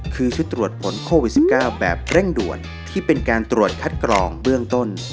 คือชุดตรวจผลโควิด๑๙แบบเร่งด่วนที่เป็นการตรวจคัดกรองเบื้องต้น